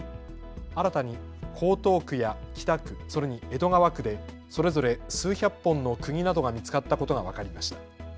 新たに江東区や北区、それに江戸川区でそれぞれ数百本のくぎなどが見つかったことが分かりました。